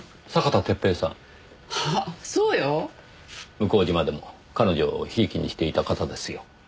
向島でも彼女を贔屓にしていた方ですよ。